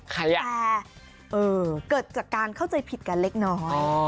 แต่เกิดจากการเข้าใจผิดกันเล็กน้อย